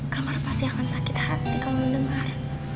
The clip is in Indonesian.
kak mara pasti akan sakit hati kalau mendengar